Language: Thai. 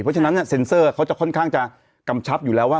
เพราะฉะนั้นเซ็นเซอร์เขาจะค่อนข้างจะกำชับอยู่แล้วว่า